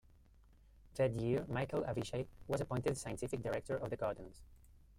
That year, Michael Avishai was appointed scientific director of the gardens.